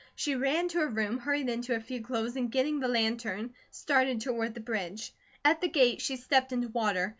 She ran to her room, hurried into a few clothes, and getting the lantern, started toward the bridge. At the gate she stepped into water.